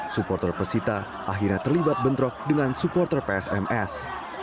supporter pesita akhirnya terlibat bentrok dengan supporter psms